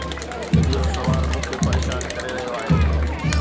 اهو سوال مون کي پريشان ڪري رهيو آهي.